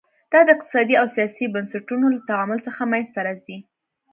دا د اقتصادي او سیاسي بنسټونو له تعامل څخه منځته راځي.